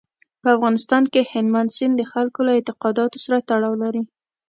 په افغانستان کې هلمند سیند د خلکو له اعتقاداتو سره تړاو لري.